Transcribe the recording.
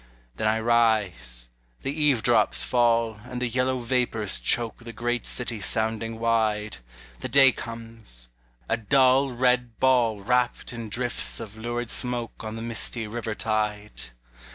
Then I rise; the eave drops fall, And the yellow vapors choke The great city sounding wide; The day comes a dull red ball Wrapt in drifts of lurid smoke On the misty river tide.